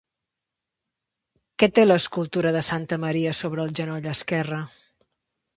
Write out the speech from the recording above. Què té l'escultura de santa Maria sobre el genoll esquerre?